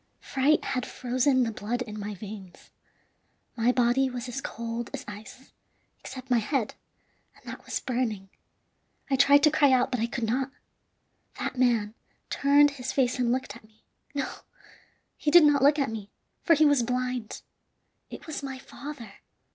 "Fright had frozen the blood in my veins. My body was as cold as ice, except my head, and that was burning. I tried to cry out, but I could not. That man turned his face and looked at me no, he did not look at me, for he was blind. It was my father!"